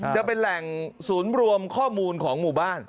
จะเป็นแหล่งศูนย์รวมข้อมูลของหมู่บ้าน